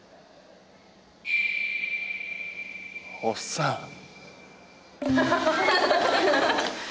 おっさん。